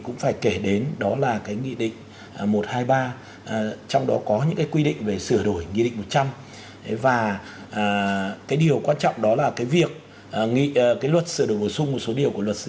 nghị định số một trăm linh trong đó có những hành vi khiến dư luận rất bức xúc như là tình trạng một số người